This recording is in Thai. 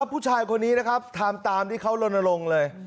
ผู้ชายคนนี้นะครับทำตามที่เขาลนลงเลย